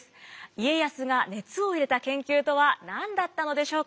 家康が熱を入れた研究とは何だったのでしょうか。